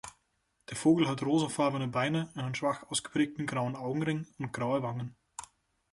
Der Vogel hat rosafarbene Beine, einen schwach ausgeprägten grauen Augenring und graue Wangen.